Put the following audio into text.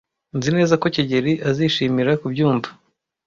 Nzi neza ko kigeli azishimira kubyumva.